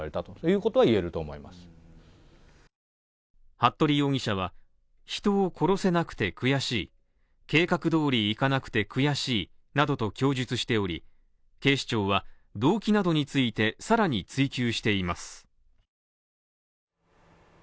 服部容疑者は人を殺せなくて悔しい計画通りいかなくて悔しいなどと供述しており、警視庁は動機などについて、さらに追及しています。